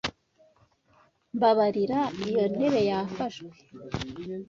Mbabarira, iyo ntebe yafashwe?